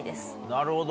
なるほど。